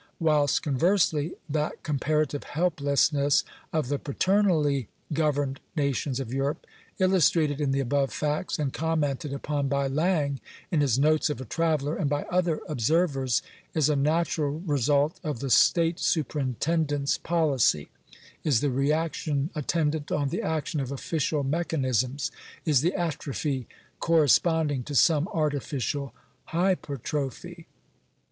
Whilst conversely that comparative helplessness of the paternally go verned nations of Europe, illustrated in the above facts, and commented upon by Laing, in his " Notes of a Traveller," and by other observers, is a natural result of the state superintend ence policy — is the reaction attendant on the action of official mechanisms — is the atrophy corresponding to some artificial hypertrophy.